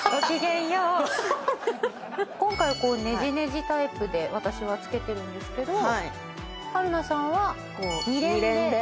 今回はねじねじタイプで私は着けてるんですけど春菜さんは２連で。